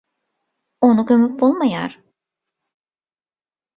Ony gömüp bolmaýar.